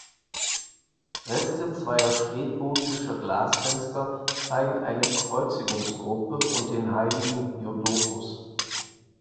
Reste zweier spätgotischer Glasfenster zeigen eine Kreuzigungsgruppe und den heiligen Jodokus.